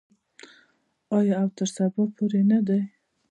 آیا او تر سبا پورې نه دی؟